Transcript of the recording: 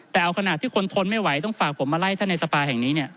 แต่เอาขณะที่คนทนไม่ไหวต้องฝากผมมาไล่ท่านในสภาแห่งนี้